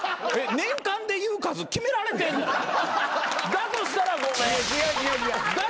だとしたらごめん。